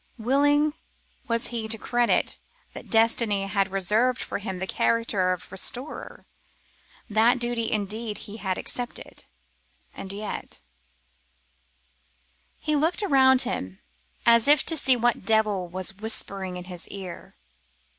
Willing was he to credit that destiny had reserved for him the character of restorer; that duty indeed he had accepted, and yet He looked around him as if to see what devil was whispering in his ear.